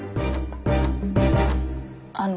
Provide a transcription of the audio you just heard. あの。